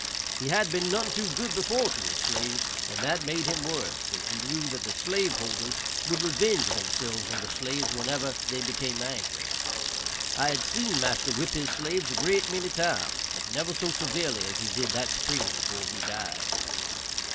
He had been none too good before to his slaves, and that made him worse, as you knew that the slave holders would revenge themselves on the slaves whenever they became angry. I had seen master whip his slaves a great many times, but never so severely as he did that spring before he died.